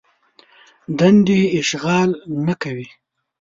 دندې اشغال نه کوي.